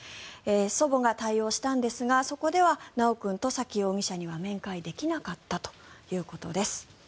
祖母が対応したんですがそこでは修君と沙喜容疑者には面会できなかったということです。